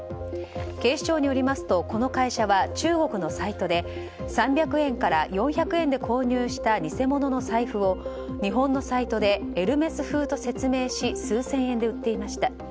警視庁によりますとこの会社は中国のサイトで３００円から４００円で購入した偽物の財布を日本のサイトでエルメス風と説明し数千円で売っていました。